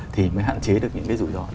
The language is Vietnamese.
thì mới hạn chế được những cái dụ dõi